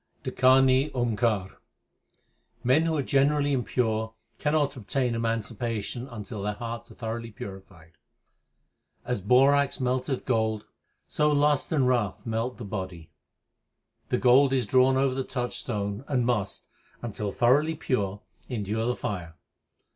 DAKHANI OAMKAR L Men who are generally impure cannot obtain emancipation until their hearts are thoroughly purified : As borax melteth gold, So lust and wrath melt the body. The gold is drawn over the touchstone, and must, until thoroughly pure, endure the fire.